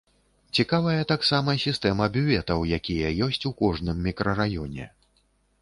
Цікавая таксама сістэма бюветаў, якія ёсць у кожным мікрараёне.